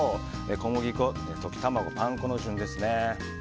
小麦粉、溶き卵、パン粉の順です。